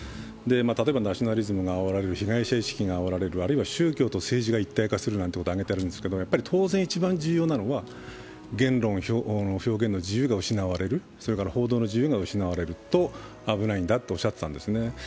例えばナショナリズムがあおられる、被害者意識があおられる、宗教と政治が一体化するなんてことを言っているんですが当然、一番重要なのは言論、表現の自由が失われる、それから報道の自由が失われると危ないんだとおっしゃってたんですね。